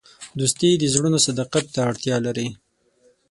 دوستي د زړونو صداقت ته اړتیا لري.